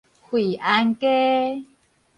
惠安街